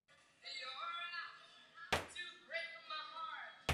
Oheň.